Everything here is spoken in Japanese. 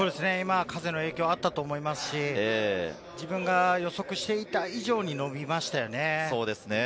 風の影響はあったと思いますし、予測していた以上に伸びましたね。